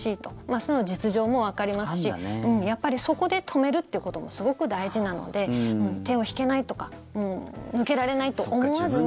そのほうが実情もわかりますしやっぱりそこで止めるっていうこともすごく大事なので手を引けないとか抜けられないと思わずに。